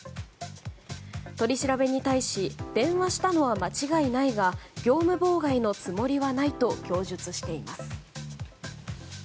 取り調べに対し電話したのは間違いないが業務妨害のつもりはないと供述しています。